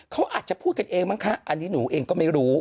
เขาอาจจะพูดกันเองมั้งคะอันนี้หนูเองก็ไม่รู้